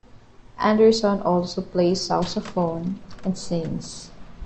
Anderson also plays sousaphone and sings.